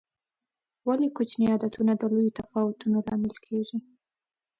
ولې کوچیني عادتونه د لویو تفاوتونو لامل کېږي؟